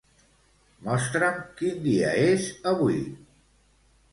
Mostra'm quin dia és avui.